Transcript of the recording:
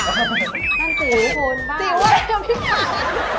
นั่นสิวคุณบ้าง